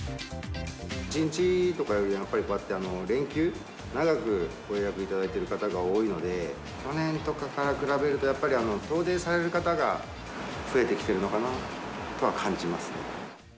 １日とかより、やっぱりこうやって連休、長くご予約いただいてる方が多いので、去年とかから比べるとやっぱり、遠出される方が増えてきてるのかなとは感じますね。